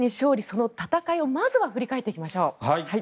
その戦いをまず振り返っていきましょう。